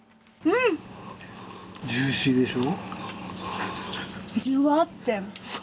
ジューシーでしょ？